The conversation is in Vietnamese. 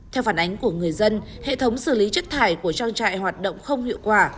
theo phản ánh của người dân hệ thống xử lý chất thải của trang trại hoạt động không hiệu quả